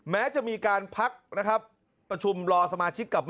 แม้จะมีการพักนะครับประชุมรอสมาชิกกลับมา